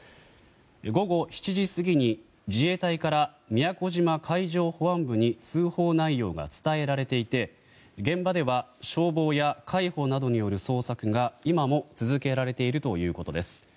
午後７時過ぎに自衛隊から宮古島海上保安部に通報内容が伝えられていて現場では消防や海保などによる捜索が今も続けられているということです。